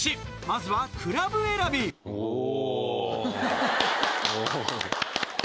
まずはクラブ選びお！